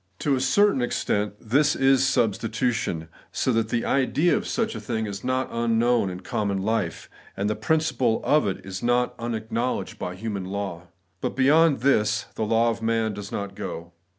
To a certain extent, this is substitution ; so that the idea of such a thing is not unknown in common life, and the principle of it not unacknowledged by human law. But beyond this the law of man does not go.